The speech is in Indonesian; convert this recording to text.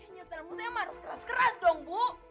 nyetel musik emang harus keras keras dong bu